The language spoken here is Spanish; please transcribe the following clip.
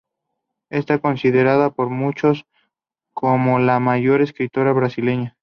Está considera por muchos como la mayor escritora brasileña.